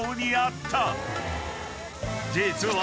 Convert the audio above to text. ［実は］